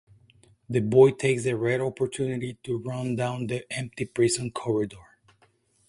The boy takes the rare opportunity to run down the empty prison corridor.